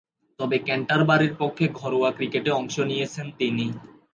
তবে, ক্যান্টারবারির পক্ষে ঘরোয়া ক্রিকেটে অংশ নিয়েছেন তিনি।